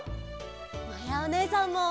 まやおねえさんも！